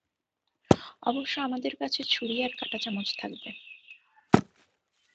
অবশ্য আমাদের কাছে ছুরি আর কাঁটাচামচ থাকবে।